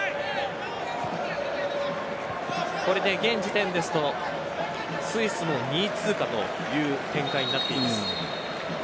これで現時点ですとスイスの２位通過という展開になっています。